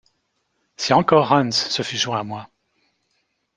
Si encore Hans se fût joint à moi.